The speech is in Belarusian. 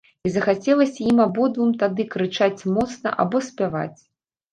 І захацелася ім абодвум тады крычаць моцна або спяваць.